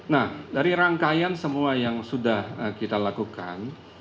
nah dari rangkaian semua yang sudah kita lakukan